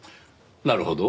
なるほど。